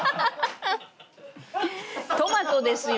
トマトですよ。